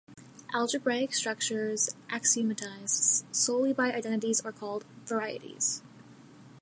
Algebraic structures axiomatized solely by identities are called varieties.